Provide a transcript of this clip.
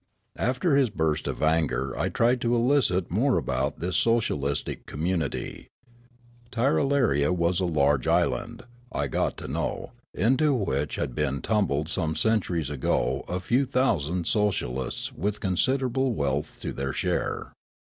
After his burst of anger I tried to elicit more about this socialistic community. Tirralaria was a large island, I got to know, into which had been tumbled some centuries ago a few thousand socialists with con siderable wealth to their share.